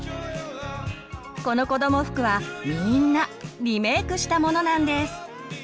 このこども服はみんなリメークしたものなんです。